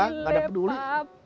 ihihihihih keren banget jalannya